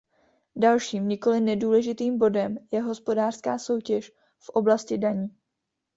Dalším, nikoli nedůležitým bodem, je hospodářská soutěž v oblasti daní.